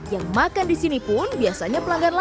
yang makan di sini pun biasanya pelanggan lama